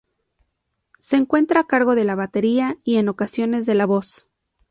Se encuentra a cargo de la batería y en ocasiones de la voz.